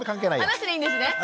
あなしでいいんですね。